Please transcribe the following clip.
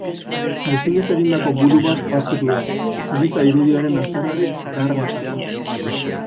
Buztinez egindako buru bat aurkitu da, giza irudiaren aztarnarik zaharrenetakoa.